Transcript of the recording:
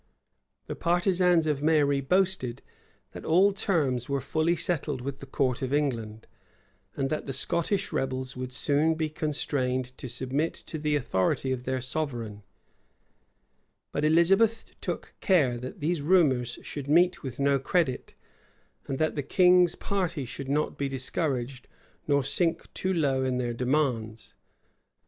The partisans of Mary boasted, that all terms were fully settled with the court of England, and that the Scottish rebels would soon be constrained to submit to the authority of their sovereign; but Elizabeth took care that these rumors should meet with no credit, and that the king's party should not be discouraged, nor sink too low in their demands.